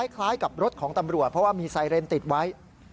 คล้ายกับรถของตำรวจเพราะว่ามีไซเรนติดไว้